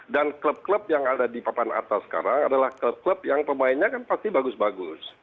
dan klub klub yang ada di papan atas sekarang adalah klub klub yang pemainnya kan pasti bagus bagus